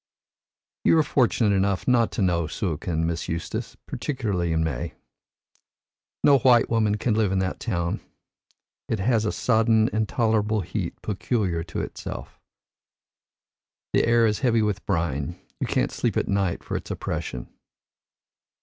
You are fortunate enough not to know Suakin, Miss Eustace, particularly in May. No white woman can live in that town. It has a sodden intolerable heat peculiar to itself. The air is heavy with brine; you can't sleep at night for its oppression.